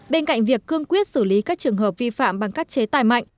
bên cạnh việc cương quyết xử lý các trường hợp vi phạm bằng các chế tài mạnh